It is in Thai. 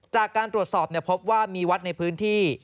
จากการตรวจสอบพบว่ามีวัดในพื้นที่